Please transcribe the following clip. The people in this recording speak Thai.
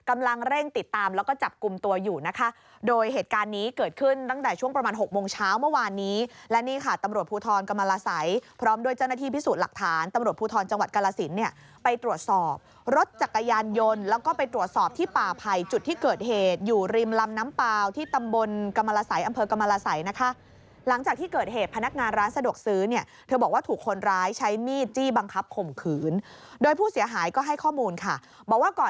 ๖โมงเช้าเมื่อวานนี้และนี่ค่ะตำรวจภูทรกรรมรสัยพร้อมด้วยเจ้าหน้าที่พิสูจน์หลักฐานตำรวจภูทรจังหวัดกรสินเนี่ยไปตรวจสอบรถจักรยานยนต์แล้วก็ไปตรวจสอบที่ป่าภัยจุดที่เกิดเหตุอยู่ริมลำน้ำเปล่าที่ตำบลกรรมรสัยอำเภอกรรมรสัยนะคะหลังจากที่เกิดเหตุพนักงานร้านสะดวก